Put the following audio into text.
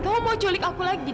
kamu mau culik aku lagi